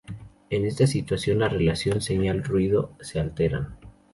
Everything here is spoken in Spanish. En esta situación, la relación señal-ruido se alteran.